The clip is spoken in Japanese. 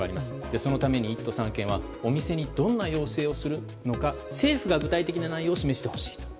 そのためにも１都３県はお店にどんな要請をするのか政府が具体的な内容を示してほしい。